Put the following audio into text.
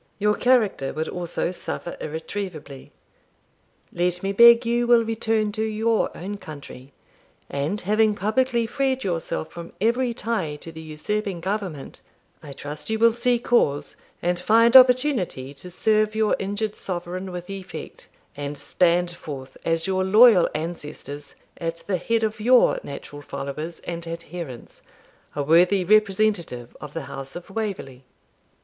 Your character would also suffer irretrievably. Let me beg you will return to your own country; and, having publicly freed yourself from every tie to the usurping government, I trust you will see cause, and find opportunity, to serve your injured sovereign with effect, and stand forth, as your loyal ancestors, at the head of your natural followers and adherents, a worthy representative of the house of Waverley.'